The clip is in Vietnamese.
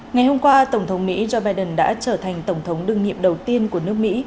ngày hôm qua tổng thống mỹ joe biden đã trở thành tổng thống đương nhiệm đầu tiên của nước mỹ